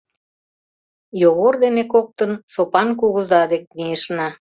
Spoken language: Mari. Йогор дене коктын Сопан кугыза дек мийышна.